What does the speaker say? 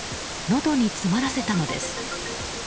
のどに詰まらせたのです。